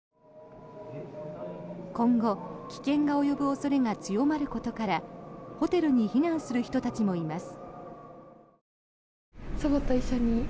今後、危険が及ぶ恐れが強まることからホテルに避難する人たちもいます。